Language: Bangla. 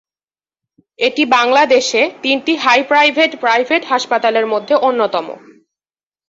এটি বাংলাদেশে তিনটি হাই-প্রাইভেট প্রাইভেট হাসপাতালের মধ্যে অন্যতম।